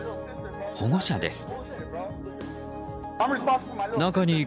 保護者です。